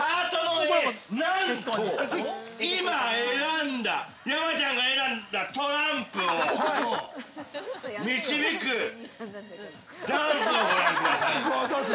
なんと、今、選んだ山ちゃんが選んだトランプを導くダンスをご覧ください。